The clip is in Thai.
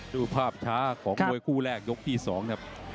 ดูภาพช้าของมวยคู่แรกยกที่๒ครับ